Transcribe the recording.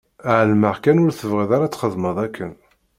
Ԑelmeɣ kan ur tebɣiḍ ara txedmeḍ akken.